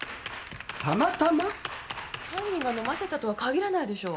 犯人が飲ませたとは限らないでしょ？